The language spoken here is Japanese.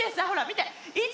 ほら見て。